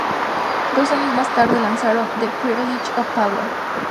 Dos años más tarde lanzaron "The Privilege of Power".